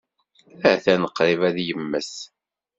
Atan qrib ad yemmet.